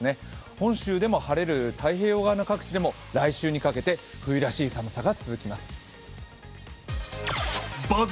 本州でも、晴れる太平洋側の各地でも来週にかけて冬らしい寒さが続きます。